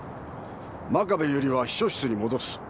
真壁由里は秘書室に戻す。